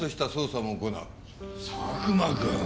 佐久間君。